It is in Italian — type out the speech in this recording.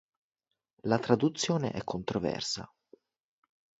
La traduzione è controversa.